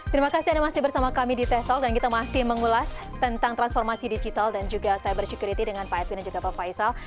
terima kasih anda masih bersama kami di teh talk dan kita masih mengulas tentang transformasi digital dan juga cyber security dengan pak edwin dan juga pak faisal